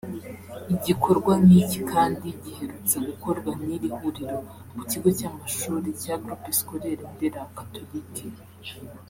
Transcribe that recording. Igikorwa nk’iki kandi giherutse gukorwa n’iri huriro ku kigo cy’amashuri cya Groupe Scolaire Ndera Catholique